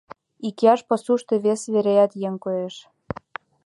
Икияш пасушто вес вереат еҥ коеш.